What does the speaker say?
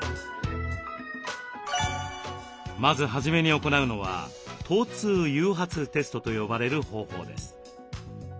まず初めに行うのは疼痛誘発テストと呼ばれる方法です。